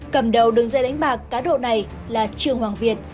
cầm đầu đường dây đánh bạc cá độ này là trương hoàng việt